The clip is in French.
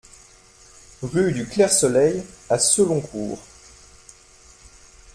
Rue du Clair Soleil à Seloncourt